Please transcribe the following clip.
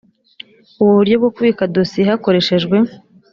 ubu buryo bwo kubika dosiye hakoreshejwe